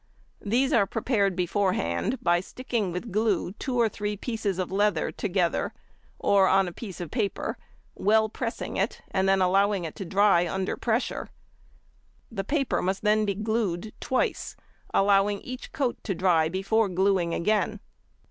These are prepared beforehand by sticking with glue two or three pieces of leather together or on a piece of paper, well pressing it, and then allowing it to dry under pressure. The paper must then be glued twice, allowing each coat to dry before gluing again.